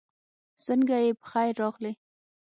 سنګه یی پخير راغلې